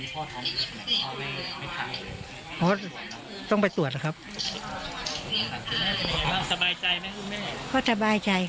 เพราะต้องไปตรวจล่ะครับ